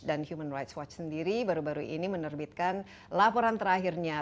human rights watch sendiri baru baru ini menerbitkan laporan terakhirnya